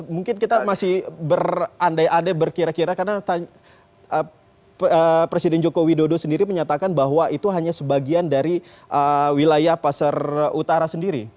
mungkin kita masih berandai andai berkira kira karena presiden joko widodo sendiri menyatakan bahwa itu hanya sebagian dari wilayah pasir utara sendiri